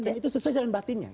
dan itu sesuai dengan batinnya